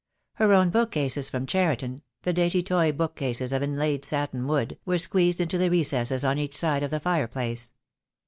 Her own book cases from Cheriton, the dainty toy book cases of inlaid satin wood, were squeezed into the recesses on each side of the fireplace.